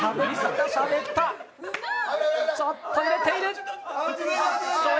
ちょっと揺れている。